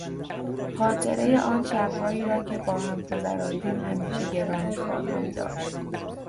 خاطرهی آن شبهایی را که با هم گذراندیم همیشه گرامی خواهم داشت.